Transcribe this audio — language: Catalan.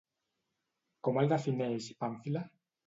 Com el defineix Pàmfila?